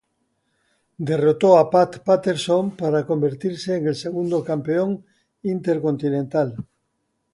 Derrotó a Pat Patterson para convertirse en el segundo Campeón Intercontinental.